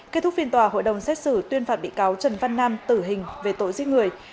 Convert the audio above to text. kết thúc phiên tòa hội đồng xét xử tuyên phạt bị cáo trần văn nam tử hình về tội giết người